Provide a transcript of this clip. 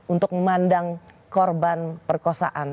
untuk memandang korban perkosaan